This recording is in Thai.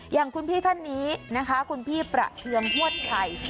อย่างคุณพี่ท่านนี้นะคะคุณพี่ประเทืองฮวดไข่